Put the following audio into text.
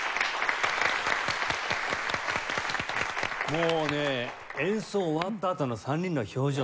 もうね演奏終わったあとの３人の表情。